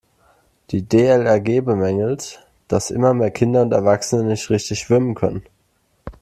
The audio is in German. Die DLRG bemängelt, dass immer mehr Kinder und Erwachsene nicht richtig schwimmen können.